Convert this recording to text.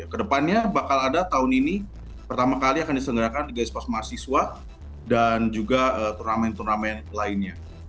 kedepannya bakal ada tahun ini pertama kali akan diselenggarakan di gas pos mahasiswa dan juga turnamen turnamen lainnya